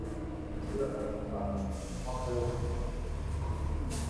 সূরা আল-হাক্কাহ মক্কায় অবতীর্ণ হয়েছে।